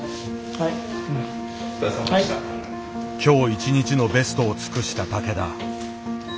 はい。今日一日のベストを尽くした竹田。